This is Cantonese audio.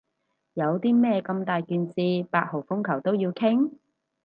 有啲咩咁大件事八號風球都要傾？